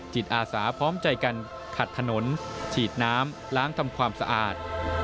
จิตอาสาพร้อมใจกันขัดถนนฉีดน้ำล้างทำความสะอาด